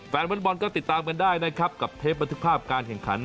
แฟนบอลก็ติดตามกันได้นะครับกับเทปบันทึกภาพการแข่งขัน